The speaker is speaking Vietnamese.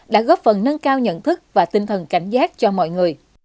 đã góp phần nâng cao nhận thức và tinh thần cảnh giác cho mọi người